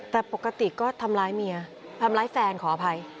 แต่ปกติก็ทำร้ายเมียทำร้ายแฟนขออภัย